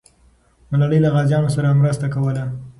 ملالۍ له غازیانو سره مرسته کوله.